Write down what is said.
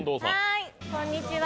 こんにちは。